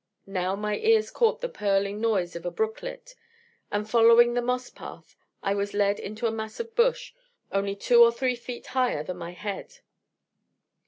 Now my ears caught the purling noise of a brooklet, and following the moss path, I was led into a mass of bush only two or three feet higher than my head.